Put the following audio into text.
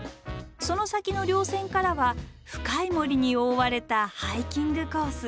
その先の稜線からは深い森に覆われたハイキングコース。